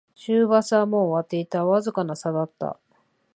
終バスはもう終わっていた、わずかな差だった